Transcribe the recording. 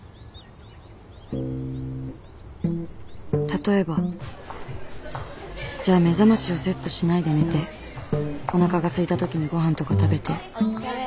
例えばじゃあ目覚ましをセットしないで寝ておなかがすいた時にごはんとか食べてお疲れ。